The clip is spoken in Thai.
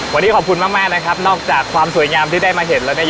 วันนี้ขอบคุณมากนะครับนอกจากความสวยงามที่ได้มาเห็นแล้วเนี่ย